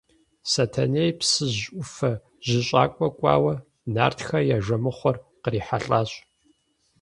Сэтэней Псыжь ӏуфэ жьыщӏакӏуэ кӏуауэ, нартхэ я жэмыхъуэр кърихьэлӏащ.